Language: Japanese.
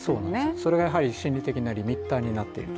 それが心理的なリミッターになっていると。